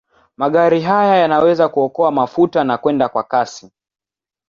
Magari haya yanaweza kuokoa mafuta na kwenda kwa kasi.